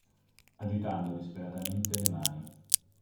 Agitando disperatamente le mani.